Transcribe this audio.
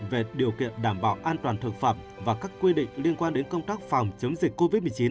về điều kiện đảm bảo an toàn thực phẩm và các quy định liên quan đến công tác phòng chống dịch covid một mươi chín